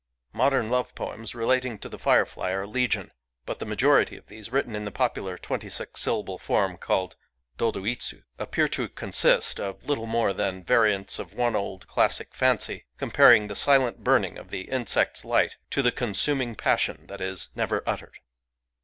Modern love poems relating to the firefly are legion; but the majority of these, written in the popular twenty six syllable form called dodoitsu^ appear to consist of little more than variants of one old classic fancy, comparing the silent burning of the insect's light to the consuming passion that is never uttered.